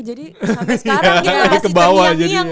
jadi sampai sekarang kita masih teriak teriak